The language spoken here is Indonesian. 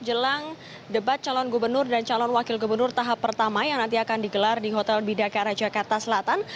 jelang debat calon gubernur dan calon wakil gubernur tahap pertama yang nanti akan digelar di hotel bidakara jakarta selatan